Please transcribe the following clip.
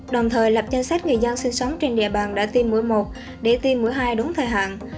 đồng thời lập danh sách người dân sinh sống trên địa bàn đã tiêm mũi một để tiêm mũi hai đúng thời hạn